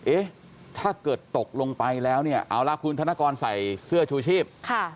เอ๊ะถ้าเกิดตกลงไปแล้วเนี่ยเอาละคุณธนกรใส่เสื้อชูชีพ